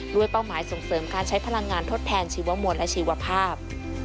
เป้าหมายส่งเสริมการใช้พลังงานทดแทนชีวมวลและชีวภาพ